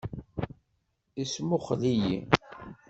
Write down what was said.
Ismuxell-iyi.